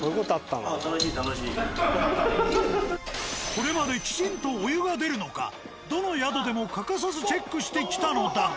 これまできちんとお湯が出るのかどの宿でも欠かさずチェックしてきたのだが。